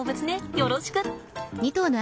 よろしく。